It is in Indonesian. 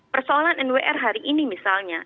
persoalan nwr hari ini misalnya